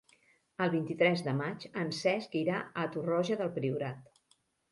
El vint-i-tres de maig en Cesc irà a Torroja del Priorat.